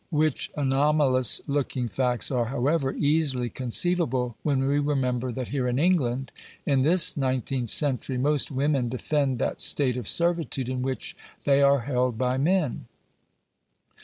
Which anomalous looking facts are, however, easily conceivable when we remember that here in England, in this nineteenth century, most women defend that state of servitude in which they are held by men.